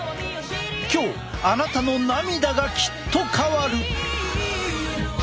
今日あなたの涙がきっと変わる！